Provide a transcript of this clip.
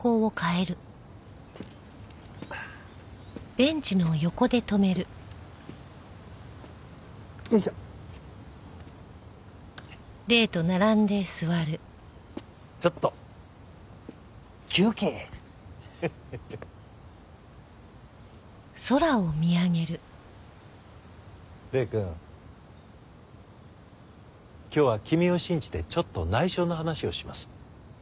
今日は君を信じてちょっと内緒の話をします。